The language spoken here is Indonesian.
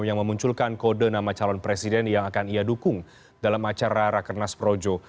yang memunculkan kode nama calon presiden yang akan ia dukung dalam acara rakenas projo